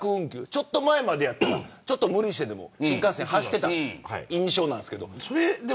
ちょっと前までだったらちょっと無理してでも新幹線走ってた印象ですけど。